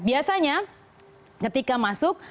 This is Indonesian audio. biasanya ketika masuk